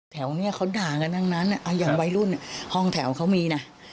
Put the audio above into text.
แถวนี้เขาด่ากันทั้งนั้นอย่างวัยรุ่นห้องแถวเขามีนะ